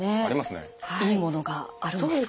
いいものがあるんですか？